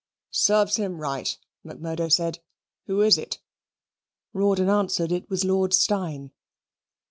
"Serve him right," Macmurdo said. "Who is it?" Rawdon answered it was Lord Steyne.